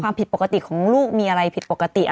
ความผิดปกติของลูกมีอะไรผิดปกติ